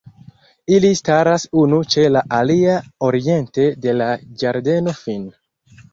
Ili staras unu ĉe la alia oriente de la Ĝardeno Fin.